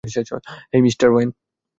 Hey, mister when.